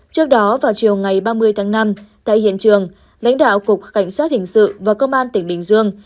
trước đó vào chiều ngày ba mươi tháng năm tại hiện trường lãnh đạo cục cảnh sát hình sự và công an tỉnh bình dương